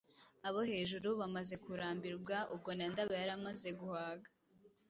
abo hejuru bamaze kurambirwa ubwo na Ndaba yari amaze guhaga,